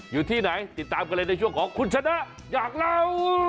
อยู่ที่ไหนติดตามกันเลยในช่วงของคุณชนะอยากเล่า